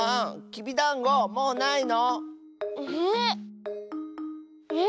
きびだんごもうないの？え。